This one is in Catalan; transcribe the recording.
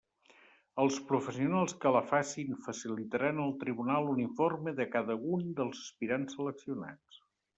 Els professionals que la facin facilitaran al tribunal un informe de cada un dels aspirants seleccionats.